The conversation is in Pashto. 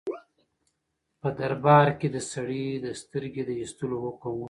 په دربار کې د سړي د سترګې د ایستلو حکم وشو.